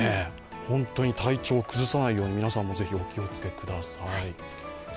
本当に体調崩さないよう皆さんも是非、お気をつけください